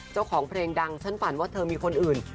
เจ้าของเพลงดังฉันฝันว่าเธอมีคนอื่น